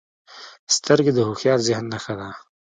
سترګې د هوښیار ذهن نښه ده